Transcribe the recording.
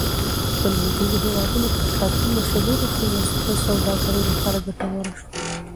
په لویدیځو هېوادونو کې کافي مشهور شو او د سوداګرۍ لپاره ګټوره شوه.